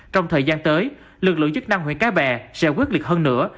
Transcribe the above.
trong thời gian tới lực lượng chức năng huyện cái bè sẽ quyết liệt hơn nữa